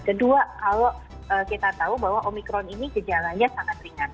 kedua kalau kita tahu bahwa omikron ini gejalanya sangat ringan